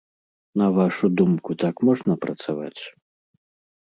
На вашу думку, так можна працаваць?